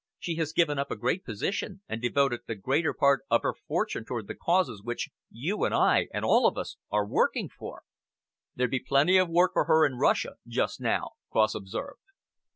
"She has given up a great position and devoted the greater part of her fortune towards the causes which you and I and all of us are working for." "There'd be plenty of work for her in Russia just now," Cross observed.